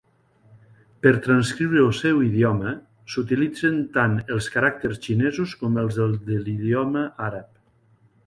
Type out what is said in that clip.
Per transcriure el seu idioma, s'utilitzen tant els caràcters xinesos com els de l'idioma àrab.